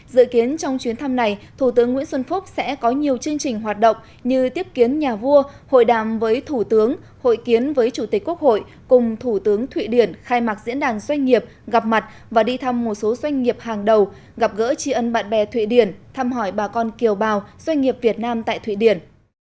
dự kiến trong chuyến thăm này thủ tướng nguyễn xuân phúc sẽ có nhiều chương trình hoạt động như tiếp kiến nhà vua hội đàm với thủ tướng hội kiến với chủ tịch quốc hội cùng thủ tướng thụy điển khai mạc diễn đàn doanh nghiệp gặp mặt và đi thăm một số doanh nghiệp hàng đầu gặp gỡ tri ân bạn bè thụy điển thăm hỏi bà con kiều bào doanh nghiệp việt nam tại thụy điển